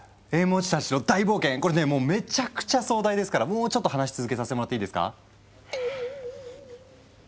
これねもうめちゃくちゃ壮大ですからもうちょっと話続けさせてもらっていいですか。